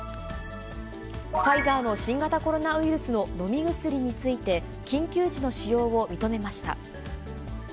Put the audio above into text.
ファイザーの新型コロナウイルスの飲み薬について、緊急時の使用を認めました。